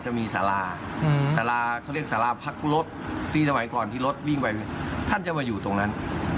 จะมีสาราสาราเขาเรียกสาราพักรถที่สมัยก่อนที่รถวิ่งไปท่านจะมาอยู่ตรงนั้น